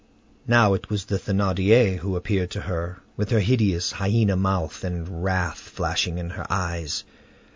Now it was the Thénardier who appeared to her, with her hideous, hyena mouth, and wrath flashing in her eyes.